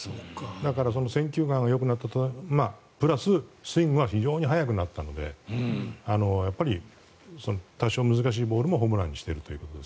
だから選球眼がよくなったプラススイングが非常に速くなったので多少、難しいボールもホームランにしていると。